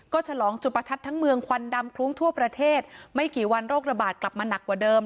ฉลองจุดประทัดทั้งเมืองควันดำคลุ้งทั่วประเทศไม่กี่วันโรคระบาดกลับมาหนักกว่าเดิม